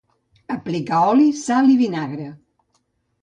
Aplicar oli, sal i vinagre.